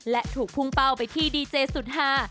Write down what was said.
และถูกพุ่งเป้าไปที่ดีเจสุดฮา